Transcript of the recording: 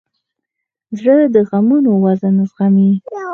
زړه د غمونو وزن زغمي.